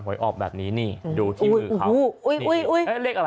หวยออกแบบนี้ดูที่มือครับ